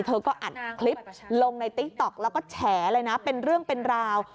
เธอก็อัดคลิปลงในติ๊กต๊อกแล้วก็แฉเลยนะเป็นเรื่องเป็นราว